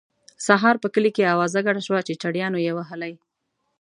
سهار په کلي کې اوازه ګډه شوه چې چړیانو یې وهلی.